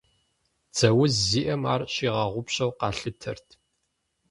Дзэ уз зиӏэм ар щигъэгъупщэу къалъытэрт.